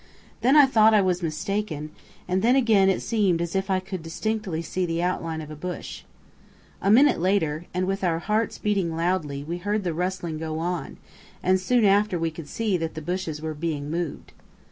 Then I thought I was mistaken, and then again it seemed as if I could distinctly see the outline of a bush. A minute later, and with our hearts beating loudly, we heard the rustling go on, and soon after we could see that the bushes were being moved.